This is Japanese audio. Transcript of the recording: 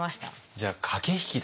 じゃあ駆け引きだった？